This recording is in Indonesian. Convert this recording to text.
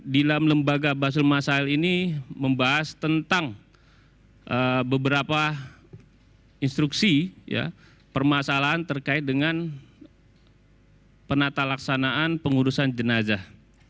kita juga menggerakkan beberapa instruksi permasalahan terkait dengan penata laksanaan pengurusan jenazah